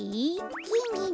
きんぎん